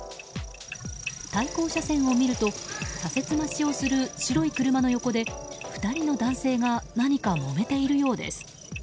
対向車線を見ると左折待ちをする白い車の横で２人の男性が何かもめているようです。